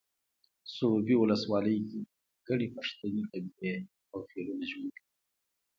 سروبي ولسوالۍ کې ګڼې پښتنې قبیلې او خيلونه ژوند کوي